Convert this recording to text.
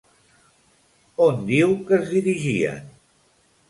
On diu que es dirigien?